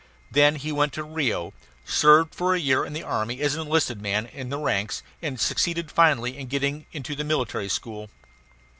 Then he went to Rio, served for a year in the army as an enlisted man in the ranks, and succeeded finally in getting into the military school.